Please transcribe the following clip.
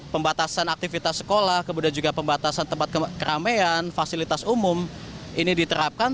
pembatasan aktivitas sekolah kemudian juga pembatasan tempat keramaian fasilitas umum ini diterapkan